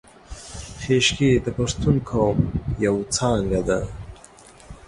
خیشکي د پښتون قوم یو څانګه ده